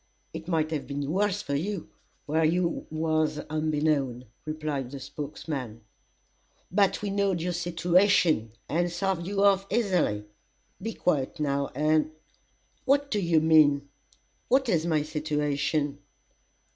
"It might have been worse for you, where you was onbeknown," replied the spokesman, "but we knowd your situation, and sarved you off easily. Be quiet now, and " "What do you mean what is my situation?"